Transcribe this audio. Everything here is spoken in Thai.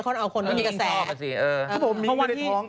ครับผมมิ้งไม่ได้ท้อง